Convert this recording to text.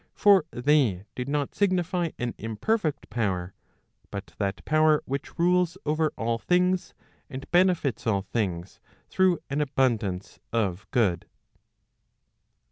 For they do not signify an: imperfect power, but that power which rules over all things, and benefits all things through an abundance of good."